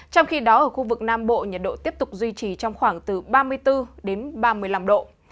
trong khi đó ở khu vực nam bộ nhiệt độ tiếp tục duy trì trong khoảng từ ba mươi bốn ba mươi năm độ